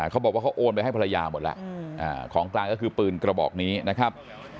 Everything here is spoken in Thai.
เขาบอกว่าเขาโอนไปให้ภรรยาหมดแล้วของกลางก็คือปืนกระบอกนี้นะครับ